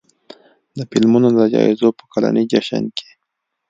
د فلمونو د جایزو په کلني جشن کې